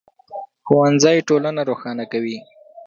ښوونځی ټولنه روښانه کوي